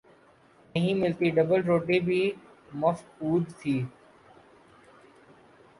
نہیں ملتی، ڈبل روٹی بھی مفقود تھی۔